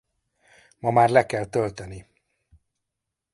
Ma már le kell tölteni.